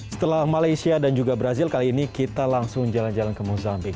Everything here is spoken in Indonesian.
setelah malaysia dan juga brazil kali ini kita langsung jalan jalan ke mozambik